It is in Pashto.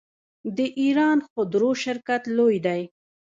د ایران خودرو شرکت لوی دی.